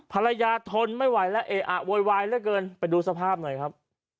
ภรรยาทนไม่ไหวและเออโว๊ยวายระเกินไปดูสภาพหน่อยครับ